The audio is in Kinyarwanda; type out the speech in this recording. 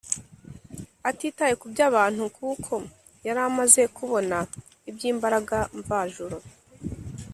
, atitaye kuby’abantu kuko yari amaze kubona iby’imbaraga mvajuru